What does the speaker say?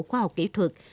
khoa học kỹ thuật